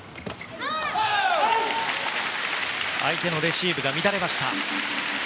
相手のレシーブが乱れました。